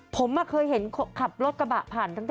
ผมเคยเห็นขับรถกระบะผ่าน